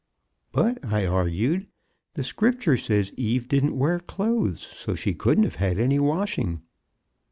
"But," I argued, "the Scripture says Eve didn't wear clothes, so she couldn't have had any washing."